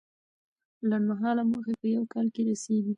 لنډمهاله موخې په یو کال کې رسیږي.